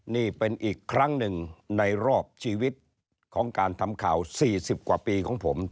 นี่เป็นอีกครั้งหนึ่งในรอบชีวิตของการทำข่าว๔๐กว่าปีของผม